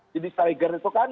jadi stryger itu kan